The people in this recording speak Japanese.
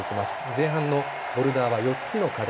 前半のボルダーは４つの課題